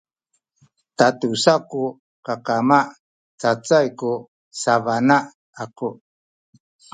tatusa ku kakama cacay ku sabana aku